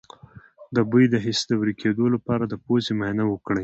د بوی د حس د ورکیدو لپاره د پوزې معاینه وکړئ